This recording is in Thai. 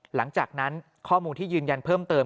หลังจากนั้นข้อมูลที่ยืนยันเพิ่มเติม